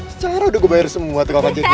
secara udah gue bayar semua buat kakak jasnya